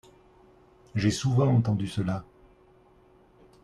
J'ai souvent entendu cela.